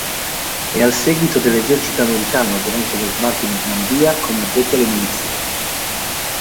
È al seguito dell'esercito americano durante lo sbarco in Normandia come addetto alle munizioni.